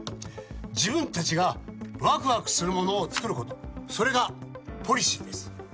自分達がワクワクするものを作ることそれがポリシーです